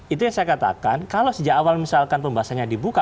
itu yang saya katakan kalau sejak awal misalkan pembahasannya dibuka